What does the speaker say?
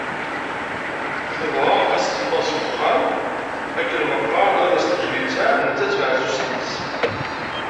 Tebɣa ad as-teffeɣ seg uxxam akken meqqar ad as-teǧǧ listeɛ netta d tmeɛzuzt-is.